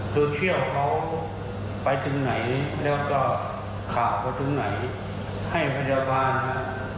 โซเชียลเขาไปถึงไหนแล้วก็ข่าวเขาถึงไหนให้พยาบาล